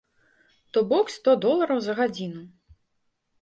То бок сто долараў за гадзіну!